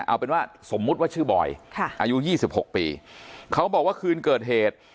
เอาเป็นว่าสมมุติว่าชื่อบอยอายุ๒๖ปีเขาบอกว่าคืนเกิดเหตุ